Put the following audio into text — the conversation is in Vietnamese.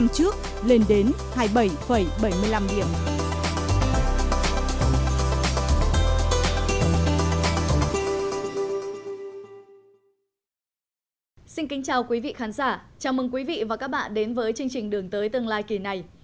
xin kính chào quý vị khán giả chào mừng quý vị và các bạn đến với chương trình đường tới tương lai kỳ này